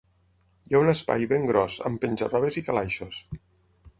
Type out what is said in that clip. Hi ha un espai ben gros, amb penja-robes i calaixos.